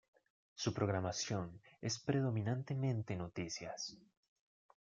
Su programación es predominantemente noticias.